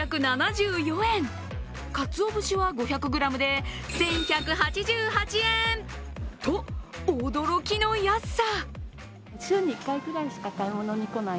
かつお節は５００ｇで１１８８円と驚きの安さ。